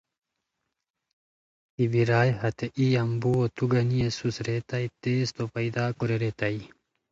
کی برارئے ہتے ای یامبوؤ تو گانی اسوس ریتائے، تیز تو پیدا کورے ریتائے